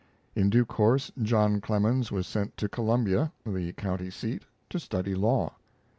In due course, John Clemens was sent to Columbia, the countyseat, to study law.